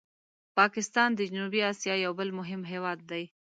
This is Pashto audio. پاکستان د جنوبي آسیا یو بل مهم هېواد دی.